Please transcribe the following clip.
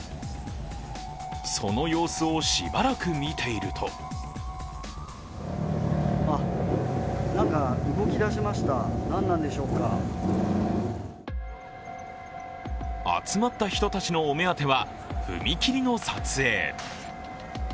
その様子をしばらく見ていると集まった人たちのお目当ては踏切の撮影。